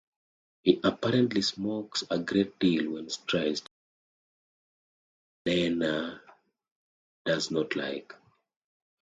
He apparently smokes a great deal when stressed, a habit Lena does not like.